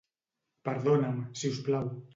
Perdona'm, si us plau.